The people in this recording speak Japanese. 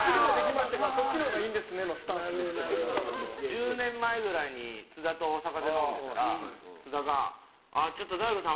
１０年前ぐらいに津田と大阪で飲んでたら津田が、ちょっと大悟さん